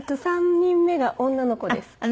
３人目が女の子です。